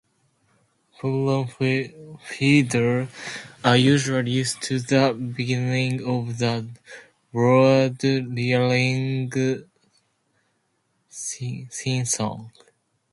Pollen feeders are usually used at the beginning of the brood rearing season.